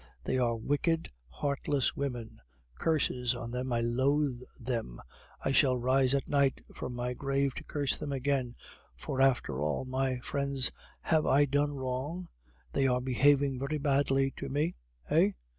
They are wicked, heartless women; curses on them, I loathe them. I shall rise at night from my grave to curse them again; for, after all, my friends, have I done wrong? They are behaving very badly to me, eh?